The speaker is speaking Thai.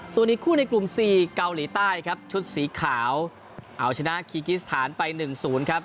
ส่วนอีกคู่ในกลุ่ม๔เกาหลีใต้ครับชุดสีขาวเอาชนะคีกิสถานไป๑๐ครับ